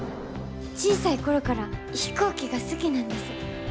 小さい頃から飛行機が好きなんです。